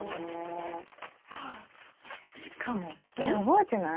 あしかもねぇ覚えてない？